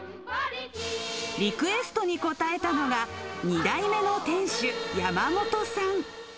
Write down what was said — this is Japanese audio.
リクエストに応えたのが、２代目の店主、山本さん。